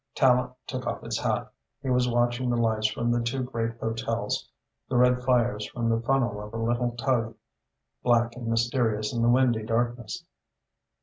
Tallente took off his hat. He was watching the lights from the two great hotels, the red fires from the funnel of a little tug, Mack and mysterious in the windy darkness.